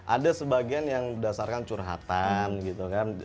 ada sebagian yang berdasarkan curhatan gitu kan